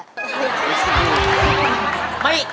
รู้สึกดี